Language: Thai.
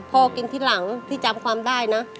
กินที่หลังพี่จำความได้นะ